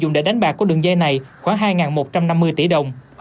dùng để đánh bạc qua đường dây này khoảng hai một trăm năm mươi tỷ đồng